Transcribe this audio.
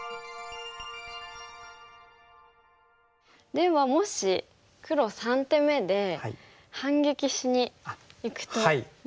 ではもし黒３手目で反撃しにいくとどうなるんですか？